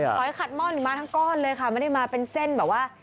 หอยขัดม่อนมาทั้งก้อนเลยค่ะไม่ได้มาเป็นเส้นแบบว่า